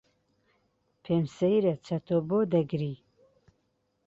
پێم سەیرە چەتۆ بۆ دەگری.